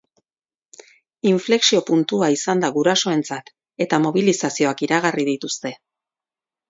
Inflexio puntua izan da gurasoentzat, eta mobilizazioak iragarri dituzte.